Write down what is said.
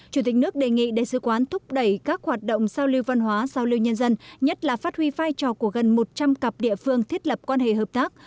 chủ tịch nước đề nghị đại sứ quán thúc đẩy các hoạt động giao lưu văn hóa giao lưu nhân dân nhất là phát huy vai trò của gần một trăm linh cặp địa phương thiết lập quan hệ hợp tác